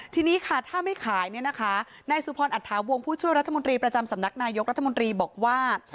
ทีนี้ค่ะถ้าไม่ขายเนี่ยนะคะนายสุพรอัฐาวงศ์ผู้ช่วยรัฐมนตรีประจำสำนักนายกรัฐมนตรีบอกว่า